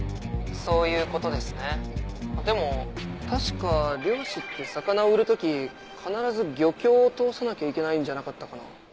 そういうことですねでも確か漁師って魚売る時必ず漁協を通さなきゃいけないんじゃなかったかな？